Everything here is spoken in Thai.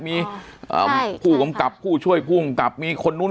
มีผู้กำกับผู้ช่วยผู้กำกับมีคนนู้น